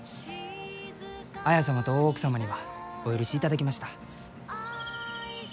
綾様と大奥様にはお許しいただきました。